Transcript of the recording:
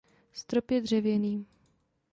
Strop je dřevěný.